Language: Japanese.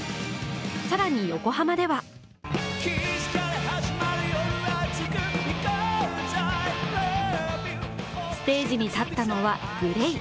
更に横浜ではステージに立ったのはＧＬＡＹ。